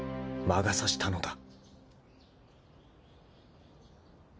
［魔が差したのだ］